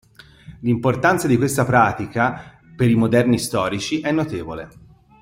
L'importanza di questa pratica per i moderni storici è notevole.